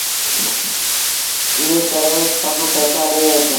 ايٚئيٚن ڪري سڀ پئيسآ ڏي وهيٚسون۔